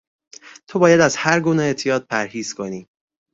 تو باید از هر گونه اعتیاد پرهیز کنی